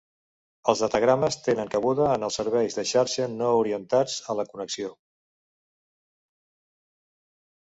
Els datagrames tenen cabuda en els serveis de xarxa no orientats a la connexió.